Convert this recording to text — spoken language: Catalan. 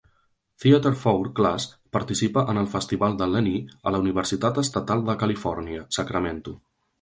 Theatre Four class participa en el Festival de Lenaea a la Universitat Estatal de Califòrnia, Sacramento.